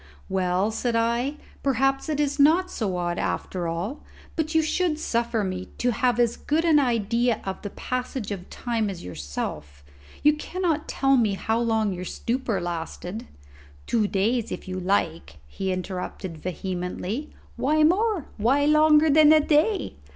"Well," said I, "perhaps it is not so odd after all; but you should suffer me to have as good an idea of the passage of time as yourself. You cannot tell me how long your stupor lasted." "Two days if you like!" he interrupted vehemently. "Why more? Why longer than a day?